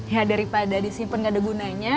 ya daripada disimpan nggak ada gunanya